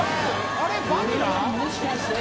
これはもしかして？